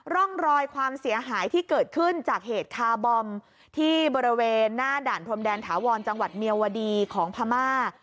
ร่องรอยความเสียหายที่เกิดขึ้นจากเหตุคาร์บอมที่บริเวณหน้าด่านพรมแดนถาวรจังหวัดเมียวดีของพม่า